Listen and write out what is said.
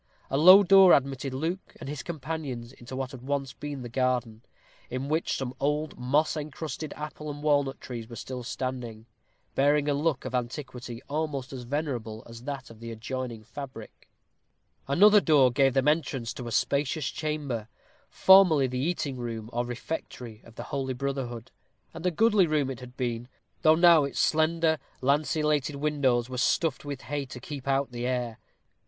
A low door admitted Luke and his companions into what had once been the garden, in which some old moss encrusted apple and walnut trees were still standing, bearing a look of antiquity almost as venerable as that of the adjoining fabric. Another open door gave them entrance to a spacious chamber, formerly the eating room or refectory of the holy brotherhood, and a goodly room it had been, though now its slender lanceolated windows were stuffed with hay to keep out the air.